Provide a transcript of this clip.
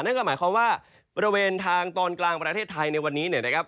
นั่นก็หมายความว่าบริเวณทางตอนกลางประเทศไทยในวันนี้เนี่ยนะครับ